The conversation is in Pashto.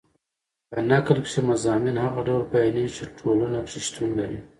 په نکل کښي مضامین هغه ډول بیانېږي، چي ټولنه کښي شتون لري.